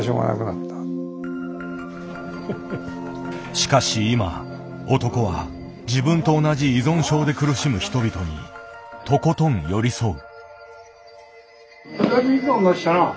しかし今男は自分と同じ依存症で苦しむ人々にとことん寄り添う。